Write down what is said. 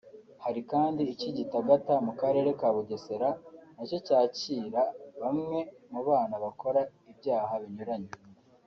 Hari kandi icy’i Gitagata mu karere ka Bugesera na cyo cyakira bamwe mu bana bakora ibyaha binyuranye